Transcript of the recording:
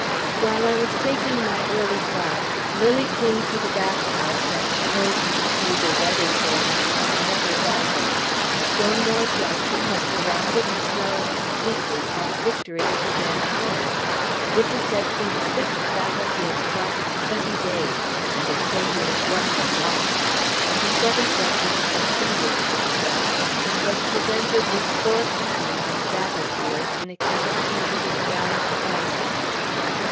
While I was taking my early bath, Lilly came to the bath house and told me through the weather boarding of another battle. Stonewall Jackson has surrounded McClellan completely, and victory is again ours. This is said to be the sixth battle he has fought in twenty days, and they say he has won them all. And the Seventh Regiment distinguished itself, and was presented with four cannon on the battlefield in acknowledgment of its gallant conduct!